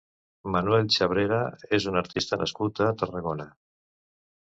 Manuel Chabrera és un artista nascut a Tarragona.